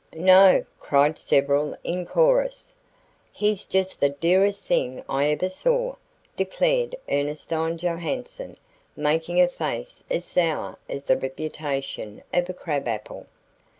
"No," cried several in chorus. "He's just the dearest thing I ever saw," declared Ernestine Johanson, making a face as sour as the reputation of a crabapple.